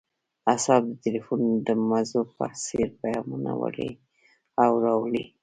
اعصاب د ټیلیفون د مزو په څیر پیامونه وړي او راوړي